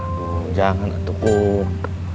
aduh jangan atukum